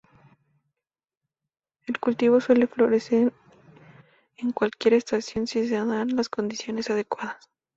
En cultivo suele florecer en cualquier estación si se dan las condiciones adecuadas.